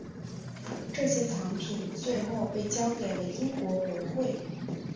这些藏品最后被交给了英国国会。